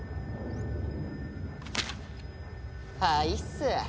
はいっす。